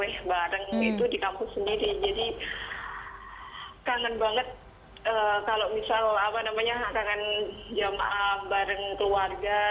yang paling kangen itu bupa bersama dengan keluarga